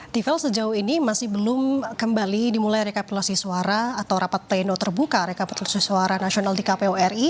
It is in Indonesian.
tivel sejauh ini masih belum kembali dimulai rekapitulasi suara atau rapat pleno terbuka rekapitulasi suara nasional di kpu ri